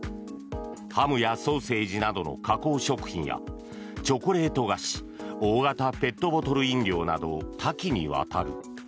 ハムやソーセージなどの加工食品やチョコレート菓子大型ペットボトル飲料など多岐にわたる。